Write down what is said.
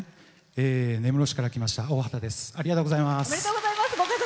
根室市から来ましたおおはたです。